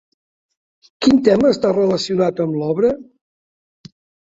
Quin tema està relacionat amb l'obra?